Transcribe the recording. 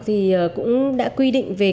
thì cũng đã quy định về